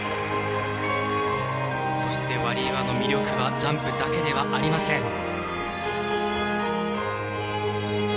ワリエワの魅力はジャンプだけではありません。